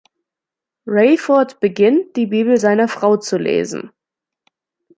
Rayford beginnt, die Bibel seiner Frau zu lesen.